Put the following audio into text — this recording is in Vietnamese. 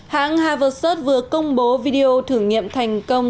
hãng harverset vừa công bố video thử nghiệm thành công